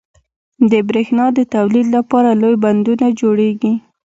• د برېښنا د تولید لپاره لوی بندونه جوړېږي.